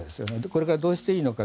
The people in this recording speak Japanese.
これからどうしていいのか。